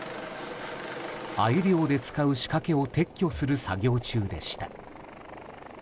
アユ漁で使う仕掛けを撤去する作業中でした。